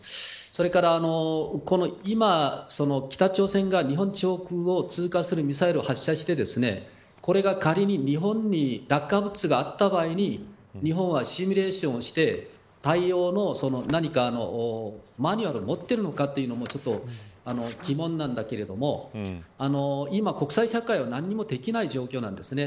それから今、北朝鮮が日本上空を通過するミサイルを発射してこれが仮に日本に落下物があった場合に日本はシミュレーションをして対応の何かマニュアルを持っているのかというのも疑問なんだけれども今、国際社会は何もできない状況なんですね。